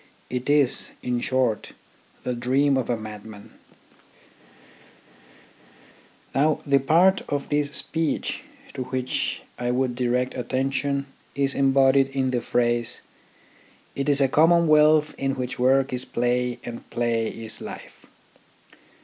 It is, in short, the dream of a madman." Now the part of this speech to which I would direct attention is embodied in the phrase, " It is a commonwealth in which work is play and play is life."